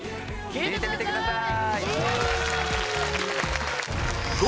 聴いてみてください！